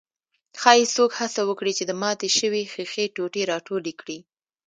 ښايي څوک هڅه وکړي چې د ماتې شوې ښيښې ټوټې راټولې کړي.